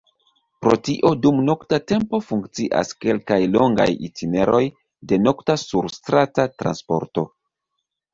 Pro tio dum nokta tempo funkcias kelkaj longaj itineroj de nokta surstrata transporto.